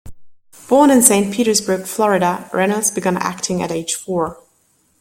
Born in Saint Petersburg, Florida, Reynolds began acting at age four.